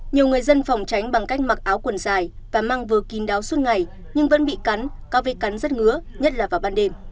nhiều người dân phòng tránh bằng cách mặc áo quần dài và mang vừa kín đáo suốt ngày nhưng vẫn bị cắn các vết cắn rất ngứa nhất là vào ban đêm